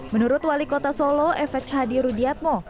menurut wali kota solo fx hadi rudiatmo